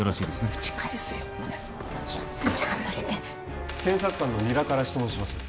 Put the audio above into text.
打ち返せよお前ちゃんとして検察官の弐良から質問します